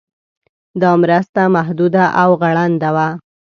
دا مرسته محدوده او غړنده وه.